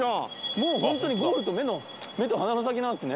もう本当にゴールと目と鼻の先なんですね。